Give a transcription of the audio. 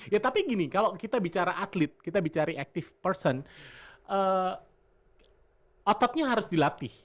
ya tapi gini kalau kita bicara atlet kita bicara active person ototnya harus dilatih